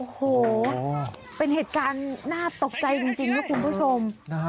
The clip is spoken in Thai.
โอ้โหเป็นเหตุการณ์น่าตกใจจริงนะคุณผู้ชม